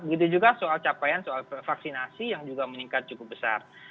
begitu juga soal capaian soal vaksinasi yang juga meningkat cukup besar